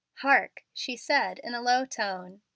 "Hark!" she said, in a low tone.